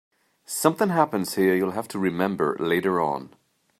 Something happens here you'll have to remember later on.